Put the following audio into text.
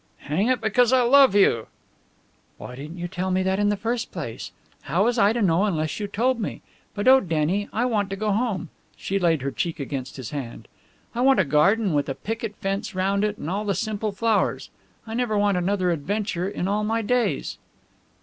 "Hang it, because I love you!" "Why didn't you tell me that in the first place? How was I to know unless you told me? But oh, Denny, I want to go home!" She laid her cheek against his hand. "I want a garden with a picket fence round it and all the simple flowers. I never want another adventure in all my days!"